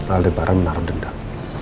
al dan baran menaruh dendam